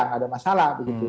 nggak ada masalah begitu